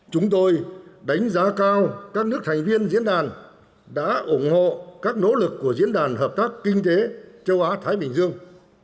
chúng tôi đánh giá cao các nước thành viên diễn đàn đã ủng hộ các nỗ lực của diễn đàn hợp tác kinh tế châu á thái bình dương